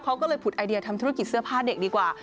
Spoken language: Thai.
เขาก็เลยผุดไอเดียทำธุรกิจเสื้อผ้าเด็กดีกว่า